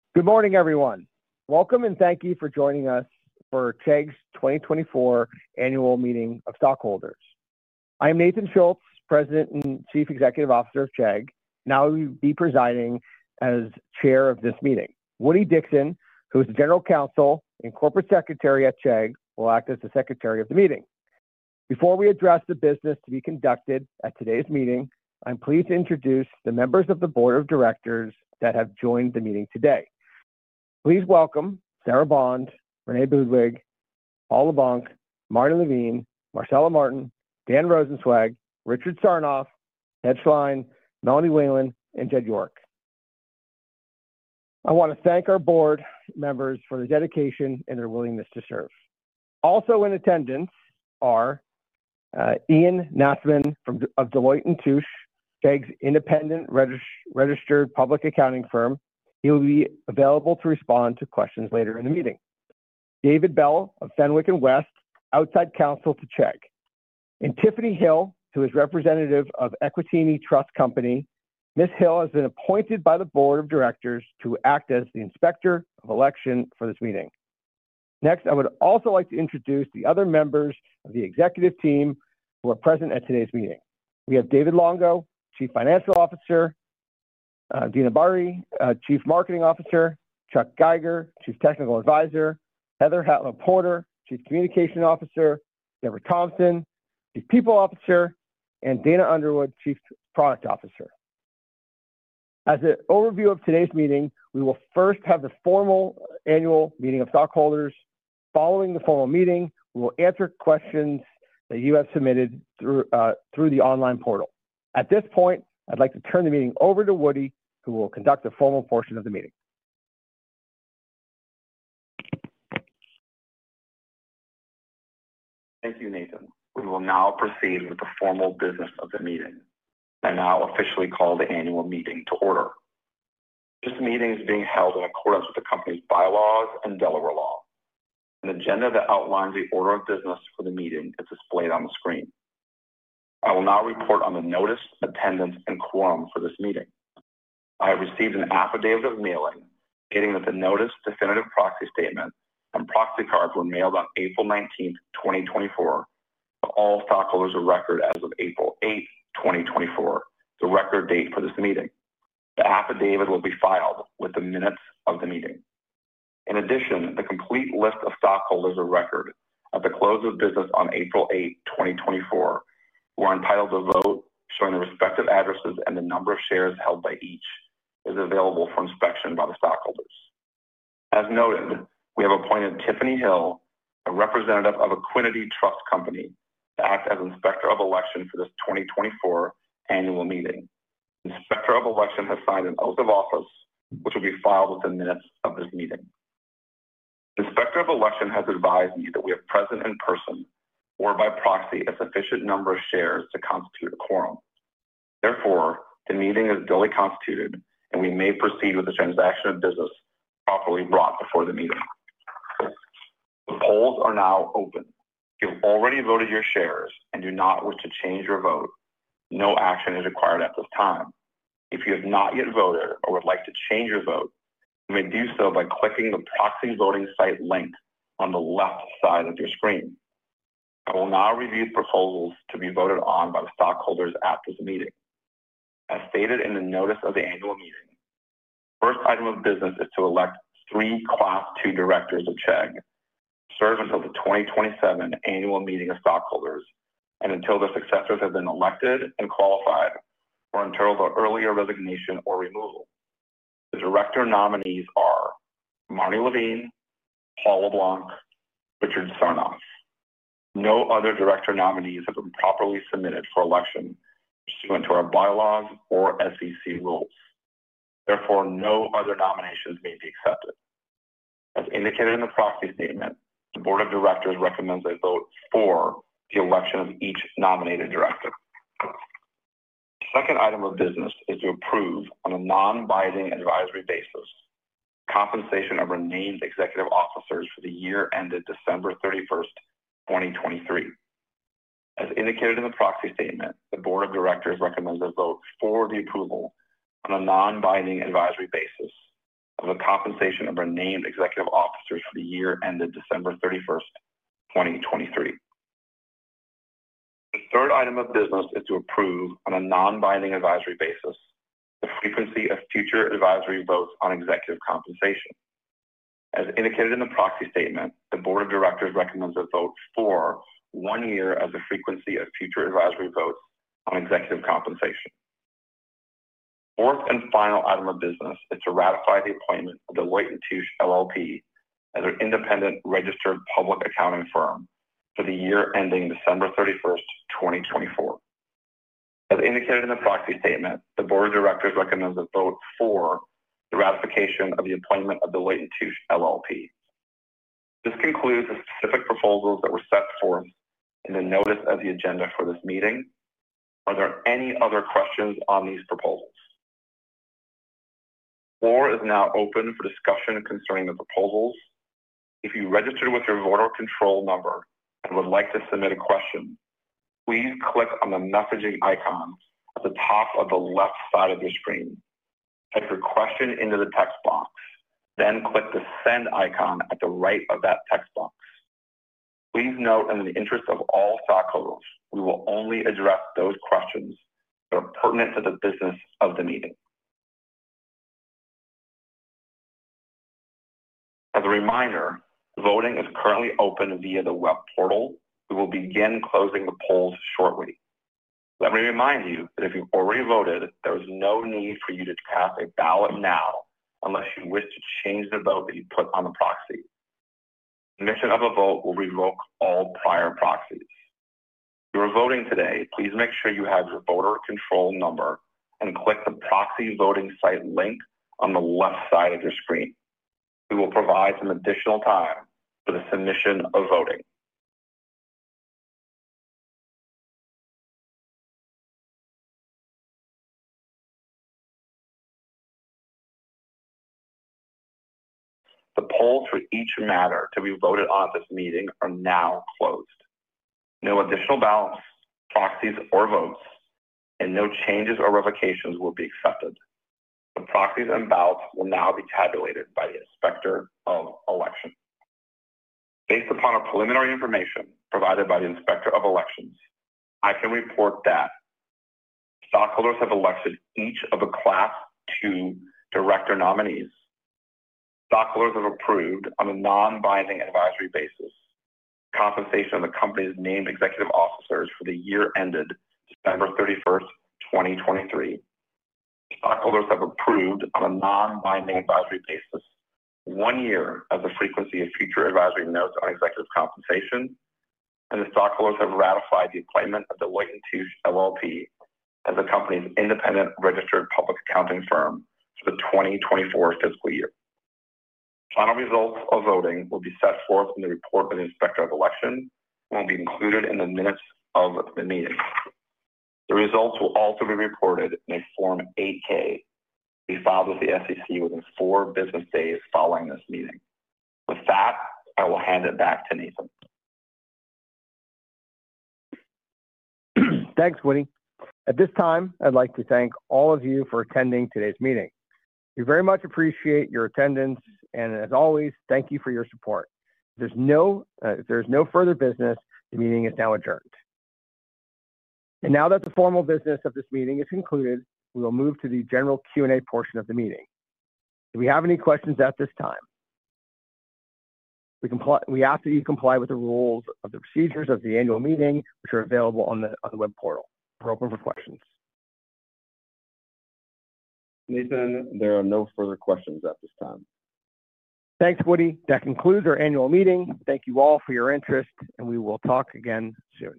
Good morning, everyone. Welcome and thank you for joining us for Chegg's 2024 annual meeting of stockholders. I am Nathan Schultz, President and Chief Executive Officer of Chegg, and I will be presiding as chair of this meeting. Woodie Dixon, who is General Counsel and Corporate Secretary at Chegg, will act as the secretary of the meeting. Before we address the business to be conducted at today's meeting, I'm pleased to introduce the members of the board of directors that have joined the meeting today. Please welcome Sarah Bond, Renee Budig, Paul LeBlanc, Marne Levine, Marcela Martin, Dan Rosensweig, Richard Sarnoff, Ted Schlein, Melanie Whelan, and Jed York. I want to thank our board members for their dedication and their willingness to serve. Also in attendance are Ian Northon from of Deloitte & Touche, Chegg's independent registered public accounting firm. He will be available to respond to questions later in the meeting. David Bell of Fenwick & West, outside counsel to Chegg, and Tiffany Hill, who is representative of Equiniti Trust Company. Ms. Hill has been appointed by the board of directors to act as the Inspector of Election for this meeting. Next, I would also like to introduce the other members of the executive team who are present at today's meeting. We have David Longo, Chief Financial Officer, Deena Bahri, Chief Marketing Officer, Chuck Geiger, Chief Technical Advisor, Heather Hatlo Porter, Chief Communication Officer, Debra Thompson, Chief People Officer, and Dana Underwood, Chief Product Officer. As an overview of today's meeting, we will first have the formal annual meeting of stockholders. Following the formal meeting, we will answer questions that you have submitted through the online portal. At this point, I'd like to turn the meeting over to Woodie, who will conduct the formal portion of the meeting. Thank you, Nathan. We will now proceed with the formal business of the meeting. I now officially call the annual meeting to order. This meeting is being held in accordance with the company's bylaws and Delaware law. An agenda that outlines the order of business for the meeting is displayed on the screen. I will now report on the notice, attendance, and quorum for this meeting. I have received an affidavit of mailing, stating that the notice, definitive proxy statement, and proxy cards were mailed on April 19, 2024, to all stockholders of record as of April 8, 2024, the record date for this meeting. The affidavit will be filed with the minutes of the meeting. In addition, the complete list of stockholders of record at the close of business on April 8, 2024, who are entitled to vote, showing their respective addresses and the number of shares held by each, is available for inspection by the stockholders. As noted, we have appointed Tiffany Hill, a representative of Equiniti Trust Company, to act as Inspector of Election for this 2024 annual meeting. The Inspector of Election has signed an oath of office, which will be filed with the minutes of this meeting. The Inspector of Election has advised me that we have present in person or by proxy, a sufficient number of shares to constitute a quorum. Therefore, the meeting is duly constituted, and we may proceed with the transaction of business properly brought before the meeting. The polls are now open. If you've already voted your shares and do not wish to change your vote, no action is required at this time. If you have not yet voted or would like to change your vote, you may do so by clicking the proxy voting site link on the left side of your screen. I will now review the proposals to be voted on by the stockholders at this meeting. As stated in the notice of the annual meeting, the first item of business is to elect three Class Two directors of Chegg, to serve until the 2027 annual meeting of stockholders and until their successors have been elected and qualified, or until the earlier resignation or removal. The director nominees are Marne Levine, Paul LeBlanc, Richard Sarnoff. No other director nominees have been properly submitted for election pursuant to our bylaws or SEC rules. Therefore, no other nominations may be accepted. As indicated in the proxy statement, the board of directors recommends a vote for the election of each nominated director. The second item of business is to approve, on a non-binding advisory basis, compensation of our named executive officers for the year ended December 31, 2023. As indicated in the proxy statement, the board of directors recommends a vote for the approval on a non-binding advisory basis of the compensation of our named executive officers for the year ended December 31, 2023. The third item of business is to approve, on a non-binding advisory basis, the frequency of future advisory votes on executive compensation. As indicated in the proxy statement, the board of directors recommends a vote for one year as the frequency of future advisory votes on executive compensation. The fourth and final item of business is to ratify the appointment of Deloitte & Touche LLP as our independent registered public accounting firm for the year ending December 31st, 2024. As indicated in the proxy statement, the board of directors recommends a vote for the ratification of the appointment of Deloitte & Touche LLP. This concludes the specific proposals that were set forth in the notice of the agenda for this meeting. Are there any other questions on these proposals? The floor is now open for discussion concerning the proposals.... If you registered with your voter control number and would like to submit a question, please click on the messaging icon at the top of the left side of your screen. Type your question into the text box, then click the send icon at the right of that text box. Please note, in the interest of all stockholders, we will only address those questions that are pertinent to the business of the meeting. As a reminder, voting is currently open via the web portal. We will begin closing the polls shortly. Let me remind you that if you've already voted, there is no need for you to cast a ballot now unless you wish to change the vote that you put on the proxy. Submission of a vote will revoke all prior proxies. If you are voting today, please make sure you have your voter control number and click the proxy voting site link on the left side of your screen. We will provide some additional time for the submission of voting. The polls for each matter to be voted on at this meeting are now closed. No additional ballots, proxies, or votes, and no changes or revocations will be accepted. The proxies and ballots will now be tabulated by the Inspector of Election. Based upon a preliminary information provided by the Inspector of Election, I can report that stockholders have elected each of the Class Two director nominees. Stockholders have approved on a non-binding advisory basis, compensation of the company's named executive officers for the year ended December 31, 2023. Stockholders have approved on a non-binding advisory basis, one year as a frequency of future advisory votes on executive compensation, and the stockholders have ratified the appointment of Deloitte & Touche LLP as the company's independent registered public accounting firm for the 2024 fiscal year. Final results of voting will be set forth in the report by the Inspector of Election and will be included in the minutes of the meeting. The results will also be reported in a Form 8-K, to be filed with the SEC within four business days following this meeting. With that, I will hand it back to Nathan. Thanks, Woodie. At this time, I'd like to thank all of you for attending today's meeting. We very much appreciate your attendance, and as always, thank you for your support. There's no, there's no further business. The meeting is now adjourned. And now that the formal business of this meeting is concluded, we will move to the general Q&A portion of the meeting. Do we have any questions at this time? We ask that you comply with the rules of the procedures of the annual meeting, which are available on the web portal. We're open for questions. Nathan, there are no further questions at this time. Thanks, Woody. That concludes our annual meeting. Thank you all for your interest, and we will talk again soon.